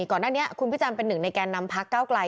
ก่อนหน้านี้คุณพิจันทร์เป็นหนึ่งในแก่นำพักเก้าไกล